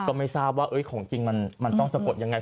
ก็ไม่ทราบว่าของจริงมันต้องสะกดยังไง